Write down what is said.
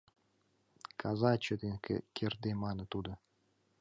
— Каза! — чытен кертде мане тудо.